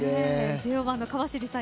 ＪＯ１の川尻さん